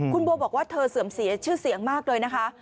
คุณโบบอกว่าเธอเสื่อมเสียชื่อเสียงมากเลยนะคะ